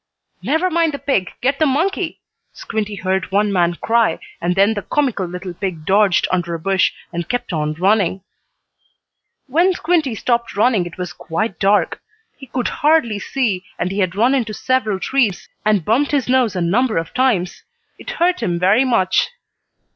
"Never mind the pig! Get the monkey!" Squinty heard one man cry, and then the comical little pig dodged under a bush, and kept on running. When Squinty stopped running it was quite dark. He could hardly see, and he had run into several trees, and bumped his nose a number of times. It hurt him very much.